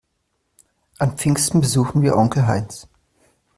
An Pfingsten besuchen wir Onkel Heinz.